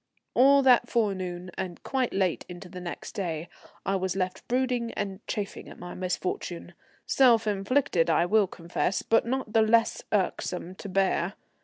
All that forenoon, and quite late into the next day, I was left brooding and chafing at my misfortune, self inflicted I will confess, but not the less irksome to bear.